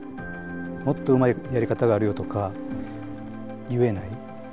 もっとうまいやり方があるよとか言えない。